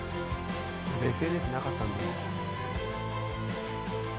ＳＮＳなかったんで。